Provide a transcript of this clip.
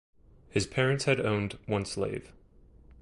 His parents had owned one slave.